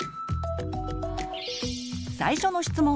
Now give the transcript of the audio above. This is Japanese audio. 最初の質問！